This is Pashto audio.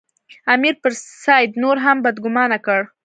امیر پر سید نور هم بدګومانه کړ.